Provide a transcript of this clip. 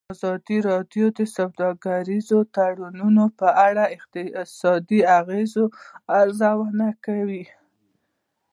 ازادي راډیو د سوداګریز تړونونه په اړه د اقتصادي اغېزو ارزونه کړې.